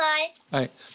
はい。